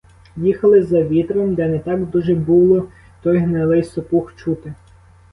Їхали за вітром, де не так дуже було той гнилий сопух чути.